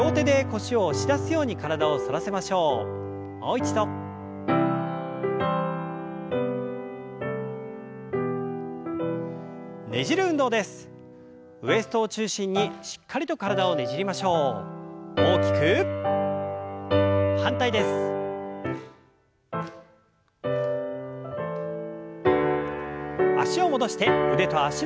脚を戻して腕と脚の運動。